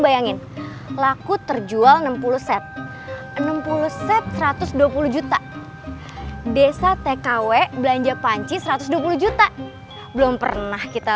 bayangin laku terjual enam puluh set enam puluh set satu ratus dua puluh juta desa tkw belanja panci satu ratus dua puluh juta belum pernah kita